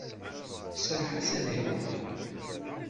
Iserreḥ-as ad iruḥ.